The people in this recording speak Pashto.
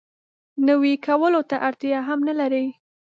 نوي کولو ته اړتیا هم نه لري.